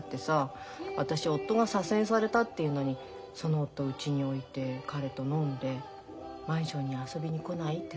私夫が左遷されたっていうのにその夫うちに置いて彼と飲んで「マンションに遊びに来ない？」って誘った。